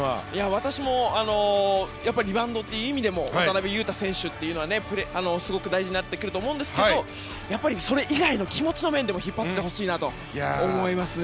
私もリバウンドという意味でも渡邊雄太選手というのはすごく大事になってくると思うんですがそれ以外の気持ちの面でも引っ張ってほしいなと思いますね。